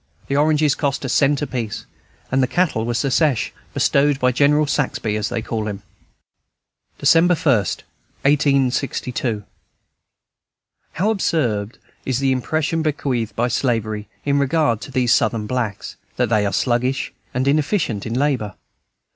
The oranges cost a cent apiece, and the cattle were Secesh, bestowed by General Saxby, as they all call him. December 1, 1862. How absurd is the impression bequeathed by Slavery in regard to these Southern blacks, that they are sluggish and inefficient in labor!